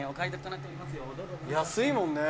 安いもんね。